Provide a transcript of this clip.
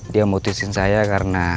dia mau tisuin saya karena